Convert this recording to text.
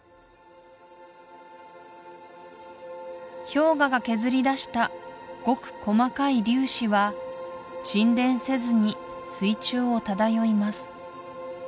氷河が削りだしたごく細かい粒子は沈澱せずに水中を漂います